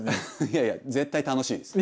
いやいや絶対楽しいです。